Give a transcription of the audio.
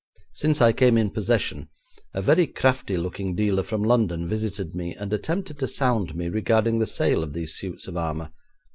Since I came in possession, a very crafty looking dealer from London visited me, and attempted to sound me regarding the sale of these suits of armour.